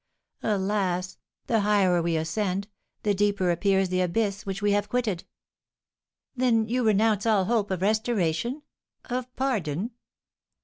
Alas, the higher we ascend, the deeper appears the abyss which we have quitted!" "Then you renounce all hope of restoration of pardon?"